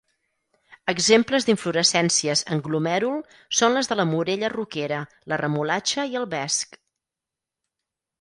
Exemples d'inflorescències en glomèrul són les de la morella roquera, la remolatxa i el vesc.